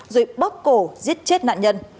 rồi bóc cổ giết chết nạn nhân